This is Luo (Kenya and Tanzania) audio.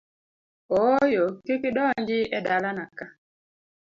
Ooyo, kik idonji e dalana ka!